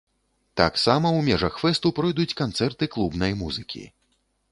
Таксама у межах фэсту пройдуць канцэрты клубнай музыкі.